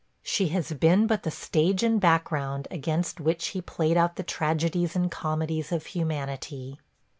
She has been but the stage and background against which he played out the tragedies and comedies of humanity.